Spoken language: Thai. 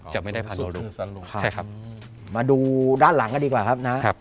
อ๋อสูงสุดทือซันรูปมาดูด้านหลังก็ดีกว่าครับนะครับ